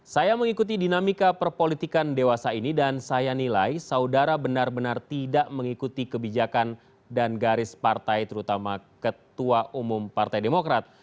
saya mengikuti dinamika perpolitikan dewasa ini dan saya nilai saudara benar benar tidak mengikuti kebijakan dan garis partai terutama ketua umum partai demokrat